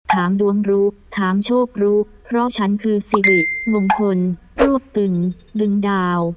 ถามดวงรู้ถามโชครู้เพราะฉันคือสิริมงคลรวบตึงดึงดาว